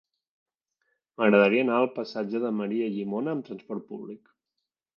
M'agradaria anar al passatge de Maria Llimona amb trasport públic.